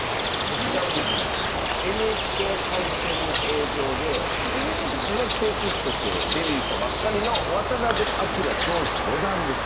こちらはですねＮＨＫ杯戦の映像で中学生棋士としてデビューしたばっかりの渡辺明当時四段です。